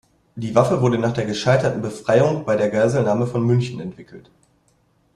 Die Waffe wurde nach der gescheiterten Befreiung bei der Geiselnahme von München entwickelt.